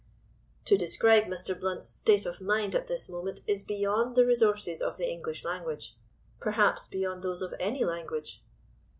To describe Mr. Blount's state of mind at this moment is beyond the resources of the English language—perhaps beyond those of any language.